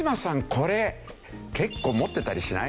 これ結構持ってたりしない？